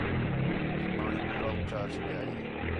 کہ پاݨی پورا اُچّا اَچ ڳِیا ہِے